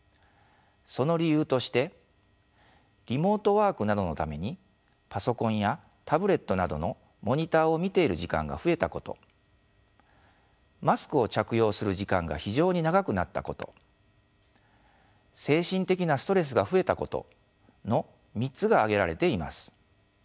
その理由としてリモートワークなどのためにパソコンやタブレットなどのモニターを見ている時間が増えたことマスクを着用する時間が非常に長くなったこと精神的なストレスが増えたことの３つが挙げられています。